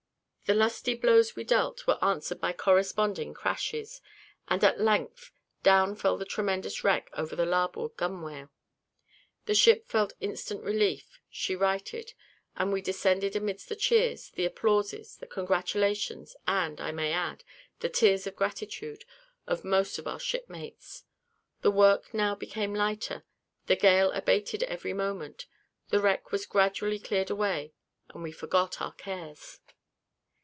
The lusty blows we dealt, were answered by corresponding crashes; and at length, down fell the tremendous wreck over the larboard gunwale. The ship felt instant relief; she righted, and we descended amidst the cheers, the applauses, the congratulations, and, I may add, the tears of gratitude, of most of our shipmates. The work now become lighter, the gale abated every moment, the wreck was gradually cleared away, and we forgot our cares.